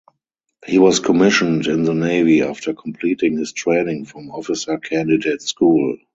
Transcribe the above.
He was commissioned in the Navy after completing his training from Officer Candidate School.